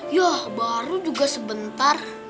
yah baru juga sebentar